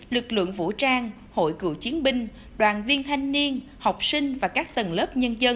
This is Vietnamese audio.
lực lượng vũ trang hội cựu chiến binh đoàn viên thanh niên học sinh và các tầng lớp nhân dân